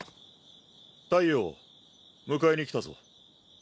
太陽迎えに来たぞ。